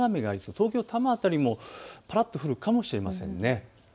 東京多摩辺りもぱらっと降るかもしれません。